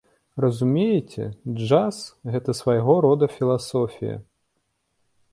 Разумееце, джаз, гэта свайго роду філасофія!